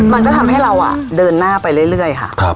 มันก็ทำให้เราเดินหน้าไปเรื่อยค่ะ